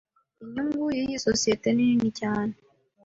Inyungu yiyi sosiyete ni nini cyane.